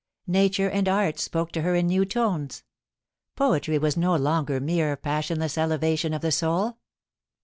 Nature and Art spoke to her in new tones. Poetry was no longer mere passionless elevation of the soul.